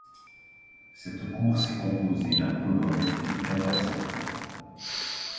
Cette course est composée d'un prologue et de quatorze étapes.